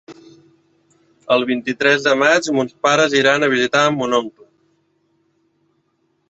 El vint-i-tres de maig mons pares iran a visitar mon oncle.